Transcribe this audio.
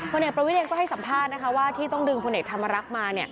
เอกประวิทย์เองก็ให้สัมภาษณ์นะคะว่าที่ต้องดึงพลเอกธรรมรักษ์มา